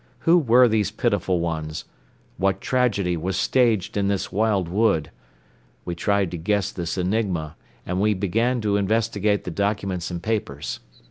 Who were these pitiful ones? What tragedy was staged in this wild wood? We tried to guess this enigma and we began to investigate the documents and papers.